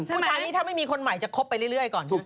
ผู้ชายนี้ถ้าไม่มีคนใหม่จะคบไปเรื่อยก่อนถูกป